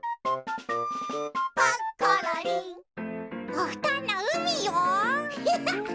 おふとんのうみよ。